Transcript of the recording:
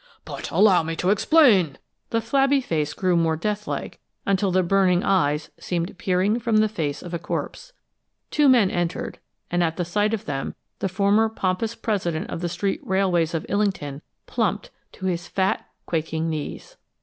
"But allow me to explain!" The flabby face grew more deathlike, until the burning eyes seemed peering from the face of a corpse. Two men entered, and at sight of them, the former pompous president of the Street Railways of Illington plumped to his fat, quaking knees.